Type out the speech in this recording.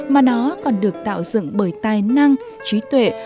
mà nó còn được tạo dựng bởi tài năng trí tuệ và công sức của những người thợ tài huống